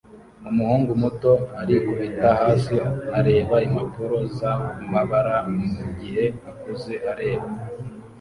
Umuhungu muto arikubita hasi areba impapuro zamabara mugihe akuze areba